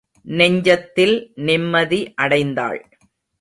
நெஞ்சத்தில் நிம்மதி அடைந்தாள்.